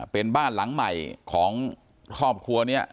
เป็นบ้านหลังใหม่ของครอบครัวนี้